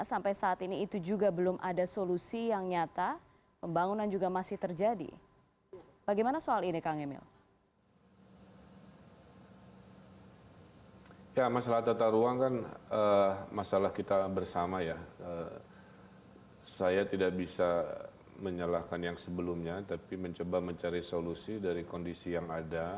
kami langsung mengonfirmasi hal ini dengan gubernur jawa barat ridwan kamil